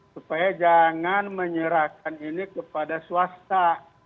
supaya jangan menyerahkan ini kepada swasta